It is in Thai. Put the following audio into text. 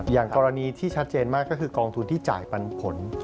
อย่างกรณีที่ชัดเจนมากก็คือกองทุนที่จ่ายปันผล